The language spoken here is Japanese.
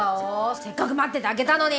せっかく待っててあげたのに！